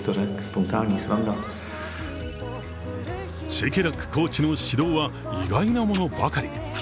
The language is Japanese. シェケラックコーチの指導は意外なものばかり。